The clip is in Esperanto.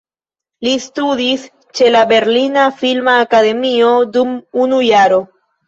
Li studis ĉe la "Berlina Filma Akademio" dum unu jaro.